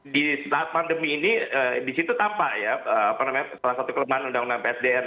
di saat pandemi ini di situ tampak ya apa namanya salah satu kelemahan undang undang psbn